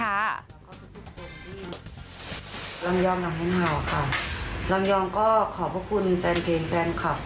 ลำยองหลังเฮ้นเฮาค่ะลำยองก็ขอบพระคุณแฟนเพลงแฟนคลับ